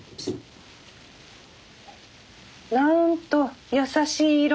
なんと優しい色。